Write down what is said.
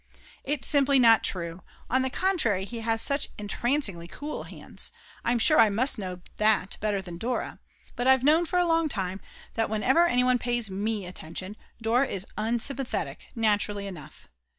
It's simply not true, on the contrary he has such entrancingly cool hands, I'm sure I must know that better than Dora. But I've known for a long time that whenever anyone pays me attention Dora is unsympathetic, naturally enough.